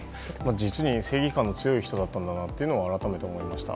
実に正義感の強い人だったんだなと改めて思いました。